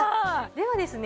ではですね